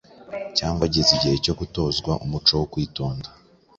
cyangwa ageze igihe cyo gutozwa umuco wo kwitonda